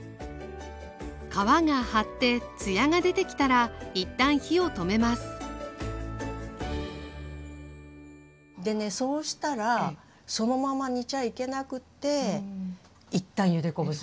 皮が張って艶が出てきたら一旦火を止めますでねそうしたらそのまま煮ちゃいけなくって一旦ゆでこぼすんですよ。